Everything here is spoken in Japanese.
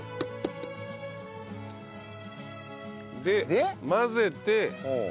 で混ぜて。